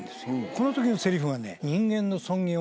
この時のセリフはね。